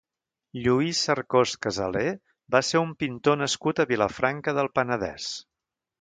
Lluís Cercós Casalé va ser un pintor nascut a Vilafranca del Penedès.